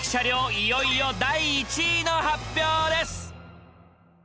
いよいよ第１位の発表です。